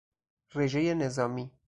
رژهی نظامی